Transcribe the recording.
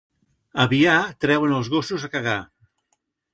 A Biar treuen els gossos a cagar.